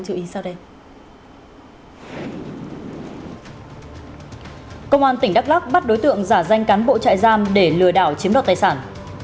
công an tỉnh đắk lắc bắt đối tượng giả danh cán bộ trại giam để lừa đảo chiếm đoạt tài sản